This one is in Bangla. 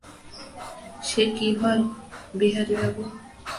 সে কি হয়, বিহারীবাবু।